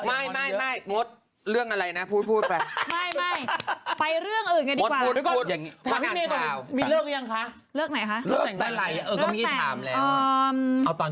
ไม่ต้องปลดล็อคเขาก่อน